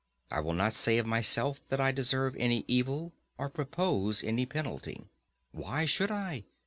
I will not say of myself that I deserve any evil, or propose any penalty. Why should I?